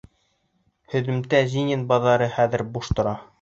Һөҙөмтәлә Зинин баҙары хәҙер буш тора.